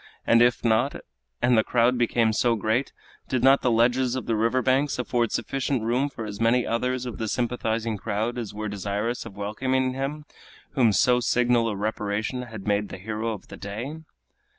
and if not, and the crowd became so great, did not the ledges of the river banks afford sufficient room for as many others of the sympathizing crowd as were desirous of welcoming him whom so signal a reparation had made the hero of the day?